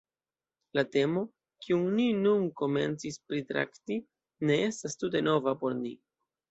La temo, kiun ni nun komencis pritrakti, ne estas tute nova por ni.